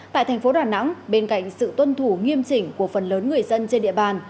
tại thành phố đà nẵng bên cạnh sự tuân thủ nghiêm chỉnh của phần lớn người dân trên địa bàn